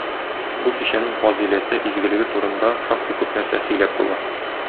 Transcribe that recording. Бу кичәнең фазыйләте, изгелеге турында шактый күп нәрсә сөйләп була.